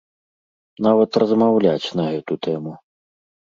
Нават размаўляць на гэту тэму.